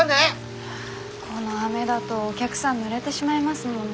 この雨だとお客さんぬれてしまいますもんね。